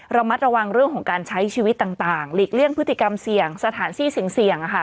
ระมัดระวังเรื่องของการใช้ชีวิตต่างหลีกเลี่ยงพฤติกรรมเสี่ยงสถานที่เสี่ยง